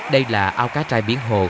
người ta trả riêng